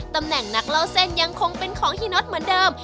ตำแหน่งนักเล่าเส้นยังคงเป็นของฮีน็อตเหมือนเดิม